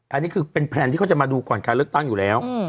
อันนี้คือเป็นแพลนที่เขาจะมาดูก่อนการเลือกตั้งอยู่แล้ว